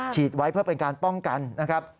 ฉีดไว้เพื่อเป็นการป้องกันนะครับ